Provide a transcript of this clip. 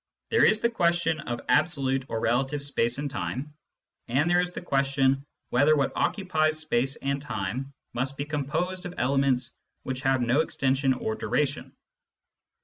There is the question of absolute or relative space and time, and there is the question whether what occupies space and time must be composed of elements which have no extension or duration.